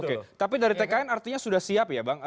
oke tapi dari tkn artinya sudah siap ya bang